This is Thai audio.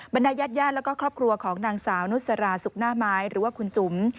ดายญาติญาติแล้วก็ครอบครัวของนางสาวนุสราสุกหน้าไม้หรือว่าคุณจุ๋ม